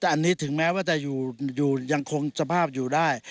แต่อันนี้ถึงแม้ว่าจะอยู่ยังคงสภาพอยู่ได้